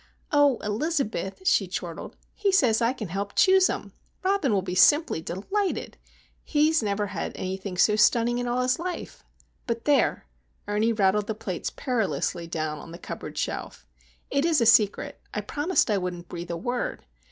"Oh, Elizabeth," she chortled, "he says I can help him choose 'em! Robin will be simply _de_lighted! He has never had anything so stunning in all his life! But there,"—Ernie rattled the plates perilously down on the cupboard shelf. "It's a secret. I promised I wouldn't breathe a word!